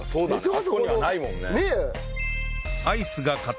あそこにはないもんね。